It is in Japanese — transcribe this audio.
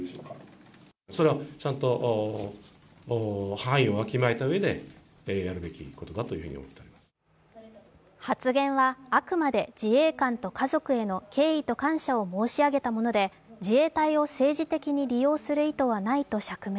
発言について木原大臣は発言はあくまで自衛官と家族への敬意と感謝を申し上げたもので自衛隊を政治的に利用する意図はないと釈明。